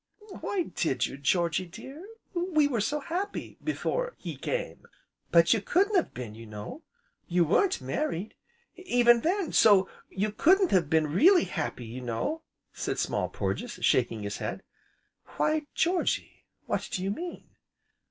why did you, Georgy dear? We were so happy before he came " "But you couldn't have been, you know; you weren't married even then, so you couldn't have been really happy, you know;" said Small Porges shaking his head. "Why Georgy what do you mean?"